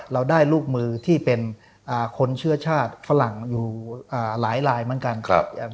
เราได้ลูกมือที่เป็นคนเชื้อชาติฝรั่งอยู่หลายลายเหมือนกัน